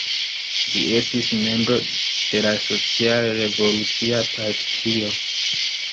Li estis membro de la Social-Revolucia Partio.